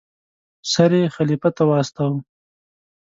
سر یې خلیفه ته واستاوه.